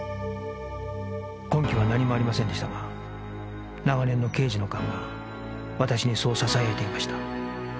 根拠は何もありませんでしたが長年の刑事の勘が私にそう囁いていました